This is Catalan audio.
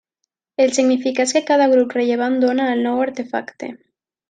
Els significats que cada grup rellevant dóna al nou artefacte.